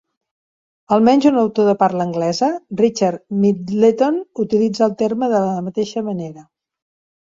Almenys un autor de parla anglesa, Richard Middleton, utilitza el terme de la mateixa manera.